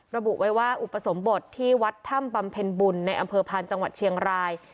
ระบุไว้ว่าอุปสมบทที่วัดถ้ำบำเพ็ญบุญในอำเภอพานจังหวัดเชียงราย